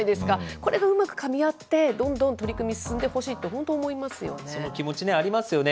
これがうまくかみ合って、どんどん取り組み進んでほしいって、本その気持ち、ありますよね。